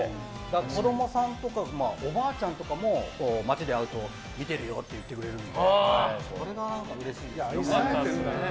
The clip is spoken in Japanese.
子供さんとかおばあちゃんとかも街で会うと見てるよって言ってくれるのでそれがうれしいですよね。